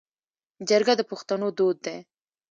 جرګه د پښتنو دود دی